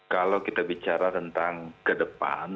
kalau kita bicara tentang ke depan